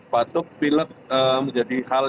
batuk pilek menjadi hal